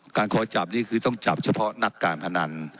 คอยจับนี่คือต้องจับเฉพาะนักการพนัน